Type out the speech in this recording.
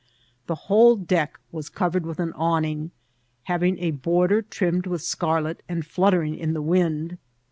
The whole deck was covered with an awning, having a border trimmed with scarlet, and fluttering in the wind.